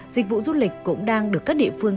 dịch vụ du lịch cũng đang được các địa phương